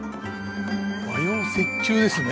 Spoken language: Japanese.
和洋折衷ですね。